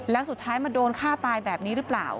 แล้วสุดท้ายมาโดนฆ่าตายแบบนี้หรือเปล่า